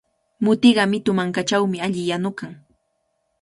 Mutiqa mitu mankachawmi alli yanukan.